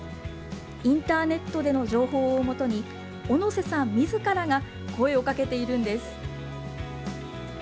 インターネットでの情報をもとに、小野瀬さんみずからが声をかけているんです。